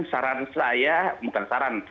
saran saya bukan saran